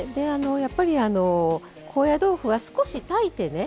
やっぱりあの高野豆腐は少し炊いてね